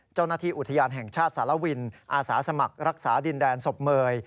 เจ้าหน้าที่อุทยานแห่งชาติสารวินอาสาสมัครรักษาดินแดนศพเมย